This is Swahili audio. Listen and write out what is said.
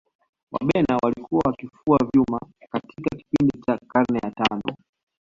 Wabena walikuwa wakifua vyuma katika kipindi cha karne ya tano